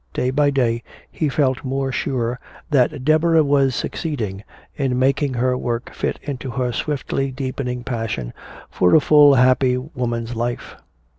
Day by day he felt more sure that Deborah was succeeding in making her work fit into her swiftly deepening passion for a full happy woman's life.